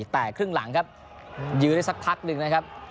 แต่ครึ่งหลังครับยื้อได้สักพักหนึ่งนะครับ